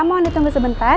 mohon ditunggu sebentar